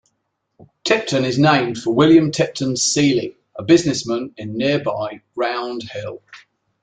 Tipton is named for William Tipton Seely, a businessman in nearby Round Hill.